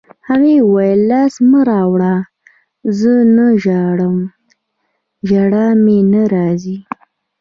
هغې وویل: لاس مه راوړه، زه نه ژاړم، ژړا مې نه راځي.